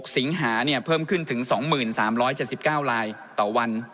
สิงหาเพิ่มขึ้นถึง๒๓๗๙ลายต่อวัน